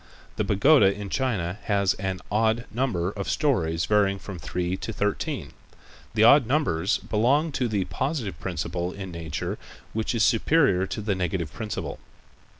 The pagoda in China has an odd number of stories varying from three to thirteen. The odd numbers belong to the positive principle in nature which is superior to the negative principle.